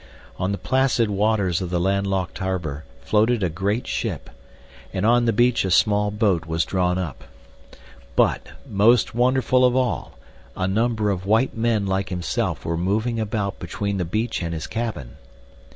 On the placid waters of the landlocked harbor floated a great ship, and on the beach a small boat was drawn up. But, most wonderful of all, a number of white men like himself were moving about between the beach and his cabin.